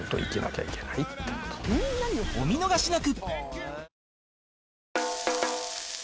お見逃しなく